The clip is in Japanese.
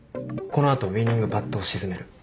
この後ウイニングパットを沈める。